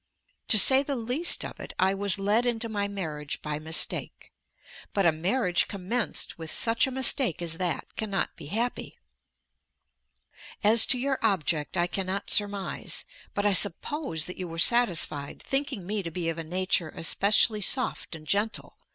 To say the least of it, I was led into my marriage by mistake. But a marriage commenced with such a mistake as that cannot be happy. As to your object I cannot surmise. But I suppose that you were satisfied, thinking me to be of a nature especially soft and gentle.